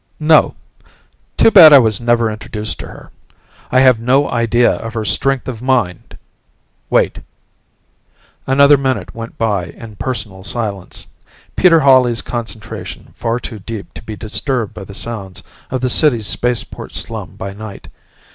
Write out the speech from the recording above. "No. Too bad I was never introduced to her. I have no idea of her strength of mind wait!" Another minute went by in personal silence; Peter Hawley's concentration far too deep to be disturbed by the sounds of the city's spaceport slum by night.